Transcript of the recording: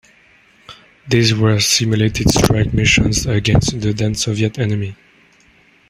These were simulated strike missions against the then Soviet enemy.